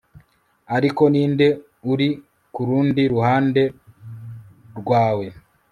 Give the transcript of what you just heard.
Ariko ninde uri kurundi ruhande rwawe